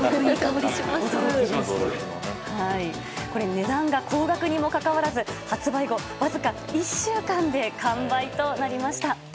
値段が高額にもかかわらず発売後わずか１週間で完売となりました。